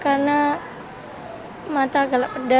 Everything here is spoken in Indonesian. terus nafas nggak lemak